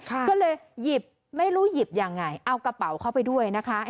ก็เลยหยิบไม่รู้หยิบยังไงเอากระเป๋าเข้าไปด้วยนะคะ